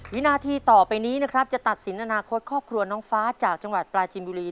วินาทีต่อไปนี้นะครับจะตัดสินอนาคตครอบครัวน้องฟ้าจากจังหวัดปลาจินบุรี